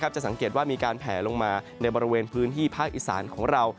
จะสังเกตว่ามีการแผลลงมาในบริเวณพื้นที่ภาคอีสานของเรา